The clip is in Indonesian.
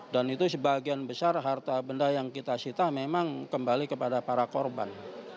dan itu sebagian besar harta benda yang kita sitah memang kembali kepada para korban